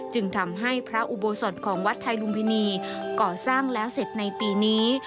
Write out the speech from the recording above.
จึงทำให้พระอุโบสถของวัดไทยลุมพินีก่อสร้างแล้วเสร็จในปีนี้